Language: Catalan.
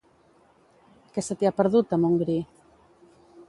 Què se t'hi ha perdut, a Montgri?